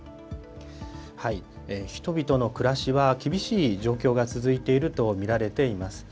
人々の暮らしは厳しい状況が続いていると見られています。